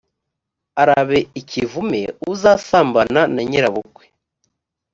arabe ikivume uzasambana na nyirabukwe